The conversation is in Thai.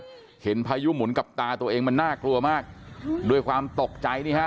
เห็นพายุหมุนกับตาตัวเองมันน่ากลัวมากด้วยความตกใจนี่ฮะ